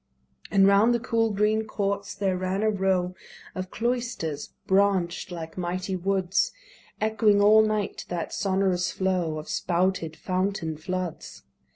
And round the cool green courts there ran a row Of cloisters, branch'd like mighty woods, Echoing all night to that sonorous flow Of spouted fountain floods.